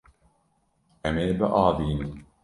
Em ê biavînin.